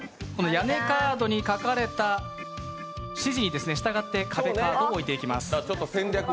屋根カードに書かれた指示に従って壁カードを置いていきます。